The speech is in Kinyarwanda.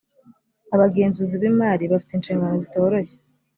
abagenzuzi b’imari bafite inshingano zitoroshye